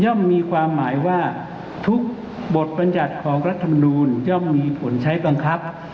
มีความหมายว่าทุกบทบรรยัติของรัฐมนูลย่อมมีผลใช้บังคับ